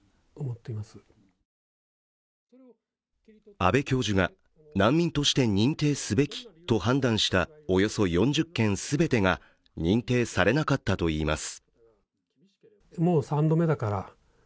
阿部教授が難民として認定すべきと判断したおよそ４０件全てが認定されなかったといいます